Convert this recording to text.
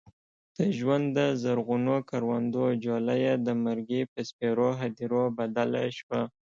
د ژوند د زرغونو کروندو جوله یې د مرګي په سپېرو هديرو بدله شوه.